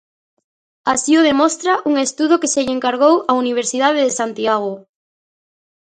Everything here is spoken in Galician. Así o demostra un estudo que se lle encargou á Universidade de Santiago.